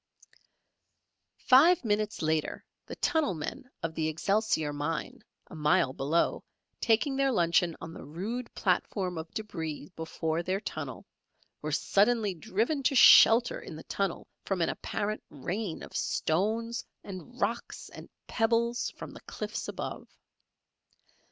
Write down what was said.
Five minutes later the tunnel men of the Excelsior mine, a mile below, taking their luncheon on the rude platform of débris before their tunnel, were suddenly driven to shelter in the tunnel from an apparent rain of stones, and rocks, and pebbles, from the cliffs above.